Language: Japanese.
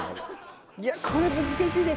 いやこれ難しいね。